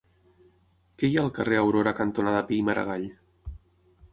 Què hi ha al carrer Aurora cantonada Pi i Margall?